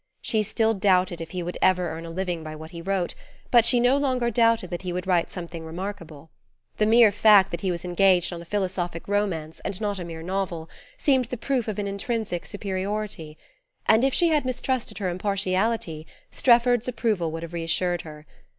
She still doubted if he would ever earn a living by what he wrote, but she no longer doubted that he would write something remarkable. The mere fact that he was engaged on a philosophic romance, and not a mere novel, seemed the proof of an intrinsic superiority. And if she had mistrusted her impartiality Strefford's approval would have reassured her.